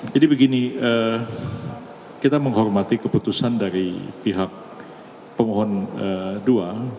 jadi begini kita menghormati keputusan dari pihak pengohon dua